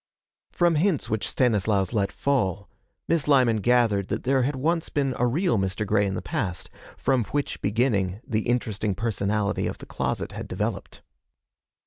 From hints which Stanislaus let fall, Miss Lyman gathered that there had once been a real Mr. Grey in the past, from which beginning, the interesting personality of the closet had developed.